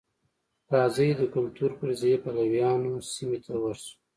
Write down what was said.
راځئ د کلتور فرضیې پلویانو سیمې ته ورشو.